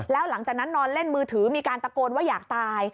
แล้วหลังจากนั้นนอนเล่นมือถือมีการตะโกนว่าอยากตาย